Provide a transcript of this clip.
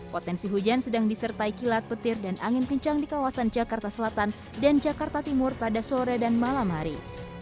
potensi hujan sedang disertai kilat petir dan angin kencang di kawasan jakarta selatan dan jakarta timur pada sore dan malam hari